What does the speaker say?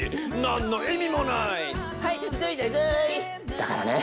だからね。